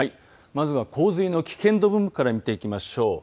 まずは洪水の危険度分布から見ていきましょう。